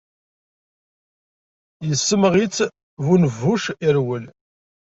Issemɣi-tt bu nnbuc, irwel.